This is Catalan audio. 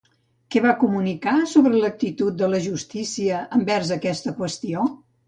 Què va comunicar sobre l'actitud de la justícia envers aquesta qüestió?